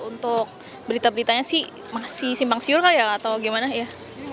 untuk berita beritanya sih masih simpang siur kak ya atau gimana ya